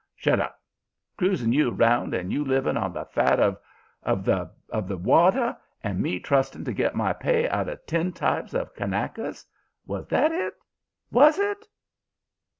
"'Shut up! Cruising you around, and you living on the fat of of the the water, and me trusting to get my pay out of tintypes of Kanakas! Was that it? Was it?'